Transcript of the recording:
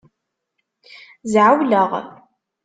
Zɛewleɣ.